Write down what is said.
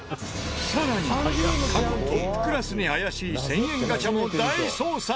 さらに過去トップクラスに怪しい１０００円ガチャも大捜査！